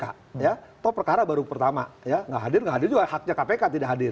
atau perkara baru pertama gak hadir gak hadir juga haknya kpk tidak hadir